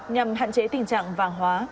nhằm hạn chế tình trạng vàng hóa